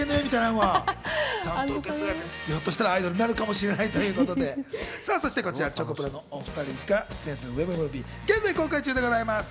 もしかしたらアイドルになるかもしれなくて、チョコプラのお２人が出演するウェブムービー、現在公開中でございます。